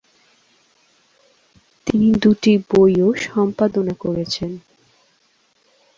তিনি দুটি বইও সম্পাদনা করেছেন।